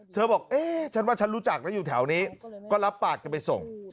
บอกเอ๊ะฉันว่าฉันรู้จักแล้วอยู่แถวนี้ก็รับปากจะไปส่ง